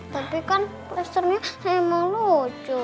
tapi kan klasternya emang lucu